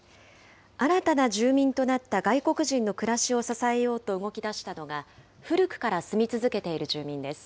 新たな住民となった外国人の暮らしを支えようと動きだしたのが、古くから住み続けている住民です。